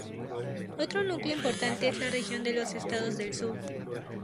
Otro núcleo importante es la región de los estados del sur.